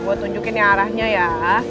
gue tunjukin arahnya ya